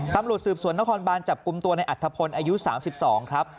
ตำรวจสืบสวนนครบานจับกลุ่มตัวในอัฐพลอายุ๓๒ครับ